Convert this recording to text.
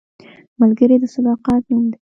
ملګری د صداقت نوم دی